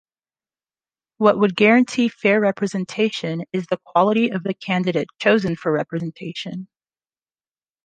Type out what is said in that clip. What would guarantee fair representation is the quality of the candidate chosen for representation.